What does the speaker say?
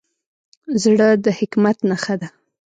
زړه د حکمت نښه ده.